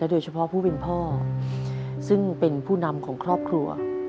โดยเฉพาะผู้เป็นพ่อซึ่งเป็นผู้นำของครอบครัว